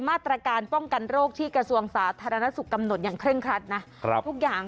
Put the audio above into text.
มาตรการป้องกันโรคที่กระทรวงสาธารณสุขกำหนดอย่างเคร่งครัดนะครับทุกอย่าง